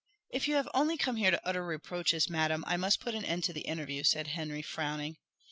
"If you have only come here to utter reproaches, madam, I must put an end to the interview," said Henry, frowning.